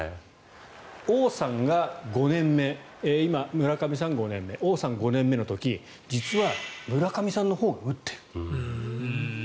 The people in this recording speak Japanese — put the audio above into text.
王さんが５年目今、村上さん５年目王さん５年目の時実は村上さんのほうが打ってる。